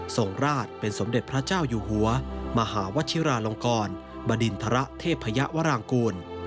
ส่งราชเป็นสมเด็จพระเจ้าอยู่หัวมหาวชิราลงกรบดินทรเทพยวรางกูล